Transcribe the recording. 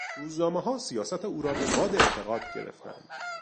روزنامهها سیاست او را به باد انتقاد گرفتند.